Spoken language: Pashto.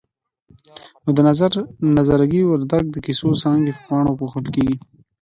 نو د نظرګي ورورک د کیسو څانګې په پاڼو پوښل کېږي.